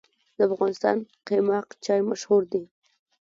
د افغانستان قیماق چای مشهور دی